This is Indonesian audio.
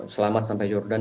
selamat sampai jordan